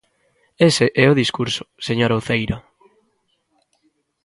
Ese é o discurso, señora Uceira.